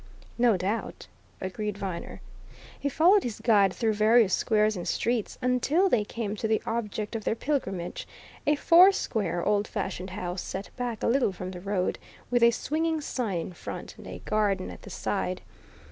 "No doubt," agreed Viner. He followed his guide through various squares and streets until they came to the object of their pilgrimage a four square, old fashioned house set back a little from the road, with a swinging sign in front, and a garden at the side.